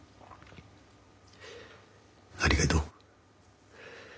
ありがとう。